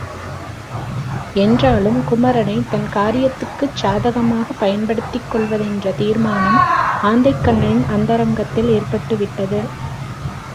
என்றாலும் குமரனைத் தன் காரியத்திற்குச் சாதகமாகப் பயன்படுத்திக் கொள்வதென்ற தீர்மானம் ஆந்தைக்கண்ணனின் அந்தரங்கத்தில் ஏற்பட்டுவிட்டது.